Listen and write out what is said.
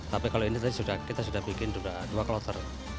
tapi kalau ini tadi kita sudah bikin dua kloter